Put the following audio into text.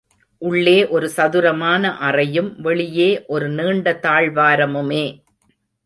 உள்ளே ஒரு சதுரமான அறையும் வெளியே ஒரு நீண்ட தாழ்வாரமுமே.